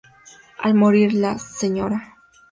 Al morir la Sra.